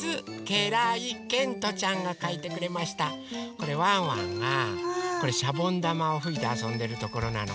これワンワンがしゃぼんだまをふいてあそんでるところなの。